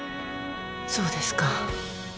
そうですか。